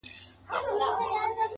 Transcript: د دغه ښار ښکلي غزلي خیالوري غواړي ـ